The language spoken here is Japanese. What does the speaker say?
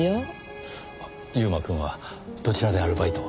悠馬くんはどちらでアルバイトを？